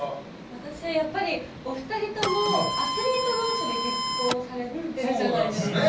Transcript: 私、やっぱりお二人ともアスリート同士で結婚されてるじゃないですか。